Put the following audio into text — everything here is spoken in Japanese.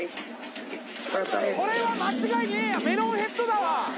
「これは間違いねえやメロンヘッドだわ！」